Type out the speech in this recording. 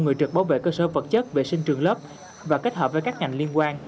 người trực bảo vệ cơ sở vật chất vệ sinh trường lớp và kết hợp với các ngành liên quan